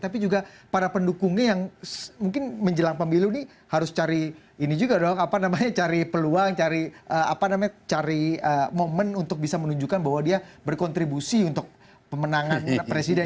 tapi juga para pendukungnya yang mungkin menjelang pemilu ini harus cari ini juga dong cari peluang cari moment untuk bisa menunjukkan bahwa dia berkontribusi untuk pemenangan presiden